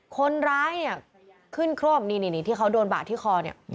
คนร้ายเนี่ยขึ้นคร่มนี่ที่เขาโดนบาดที่คอเนี่ย